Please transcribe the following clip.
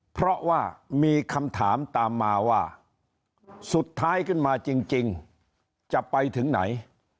เพราะว่ามีคำถามตามมาว่าสุดท้ายขึ้นมาจริงจะไปถึงไหน